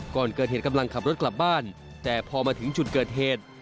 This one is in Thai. ก่อนเกิดเหตุกำลังขับรถกลับบ้านแต่พอมาถึงจุดเกิดเหตุ